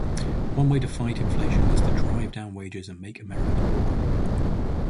One way to fight inflation is to drive down wages and make Americans poorer.